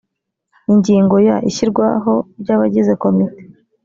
ingingo ya ishyirwaho ry abagize komite